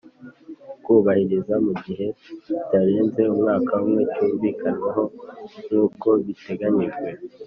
Kubahiriza mu gihe kitarenze umwaka umwe cyumvikanweho nk uko biteganyijwe